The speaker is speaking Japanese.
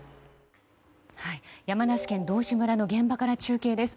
山梨県道志村の現場から中継です。